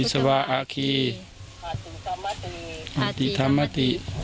สวัสดีครับ